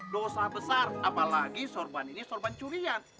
dosa besar apalagi sorban ini sorban curian